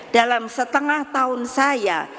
dalam setengah tahun saya